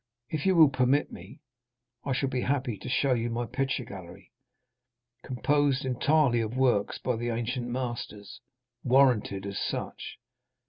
If you will permit me, I shall be happy to show you my picture gallery, composed entirely of works by the ancient masters—warranted as such.